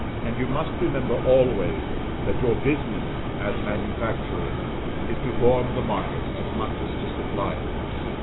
And you must remember always that your business, as manufacturers, is to form the market, as much as to supply it.